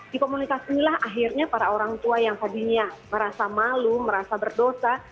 di komunitas inilah akhirnya para orang tua yang tadinya merasa malu merasa berdosa